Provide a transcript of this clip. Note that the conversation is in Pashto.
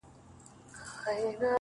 • چي د حق ناره کړي پورته له ممبره..